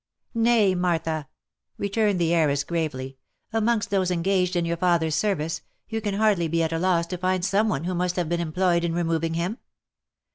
"Nay, Martha," returned the heiress gravely, u amongst those en gaged in your father's service, you can hardly be at a loss to find some one who must have been employed in removing him."